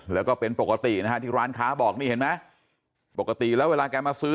แล้วก็เป็นปกตินะฮะที่ร้านค้าบอกนี่เห็นไหมปกติแล้วเวลาแกมาซื้อ